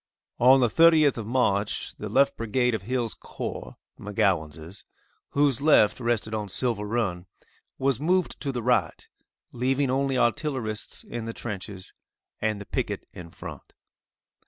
On the 30th of March, the left brigade of Hill's corps, (McGowan's,) whose left rested on Silver run, was moved to the right, leaving only artillerists in the trenches, and the picket in front.